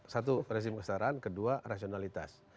satu rezim kesetaraan kedua rasionalitas